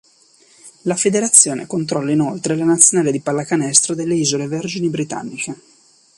La federazione controlla inoltre la nazionale di pallacanestro delle Isole Vergini britanniche.